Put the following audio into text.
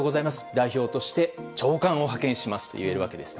代表として長官を派遣しますといえるわけです。